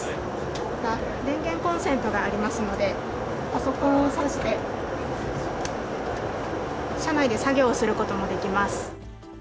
また、電源コンセントがありますので、パソコンをさして、車内で作業をすることもできます。